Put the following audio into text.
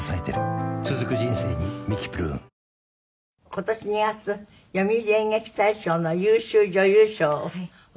今年２月読売演劇大賞の優秀女優賞をお受けになって。